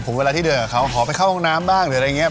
เวลาที่เดินกับเขาขอไปเข้าห้องน้ำบ้างหรืออะไรอย่างนี้